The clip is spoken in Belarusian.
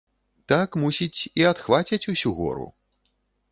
Так, мусіць, і адхвацяць усю гору.